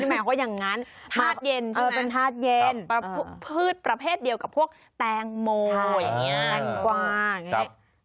ไม่อย่างงั้นทาสเย็นพืชประเภทเดียวกับพวกแปงโมแปงกว้าง